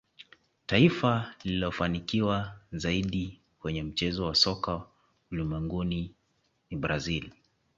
taifa lililofanikiwa zaidi kwenye mchezo wa soka ulimwenguni ni brazil